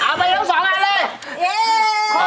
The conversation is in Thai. เอาไปแล้วสามารถเลย